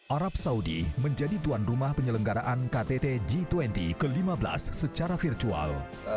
arab saudi menjadi tuan rumah penyelenggaraan ktt g dua puluh ke lima belas secara virtual